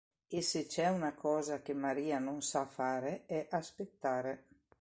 E se c'è una cosa che Maria non sa fare è aspettare.